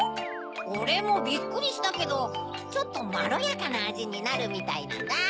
オレもびっくりしたけどちょっとまろやかなあじになるみたいなんだ。